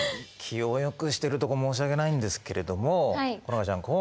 気をよくしてるとこ申し訳ないんですけれども好花ちゃん